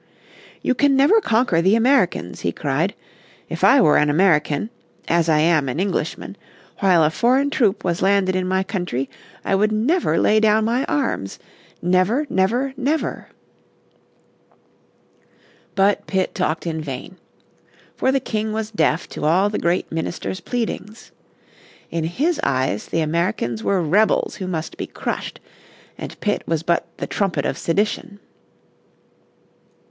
"You can never conquer the Americans," he cried. "If I were an American, as I am an Englishman, while a foreign troop was landed in my country I would never lay down my arms, never, never, never!" But Pitt talked in vain. For the King was deaf to all the great minister's pleadings. In his eyes the Americans were rebels who must be crushed, and Pitt was but the "trumpet of sedition."